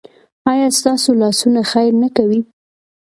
ایا ستاسو لاسونه خیر نه کوي؟